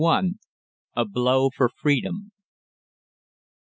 A BLOW FOR FREEDOM.